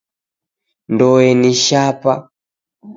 Ndoe ni shapa.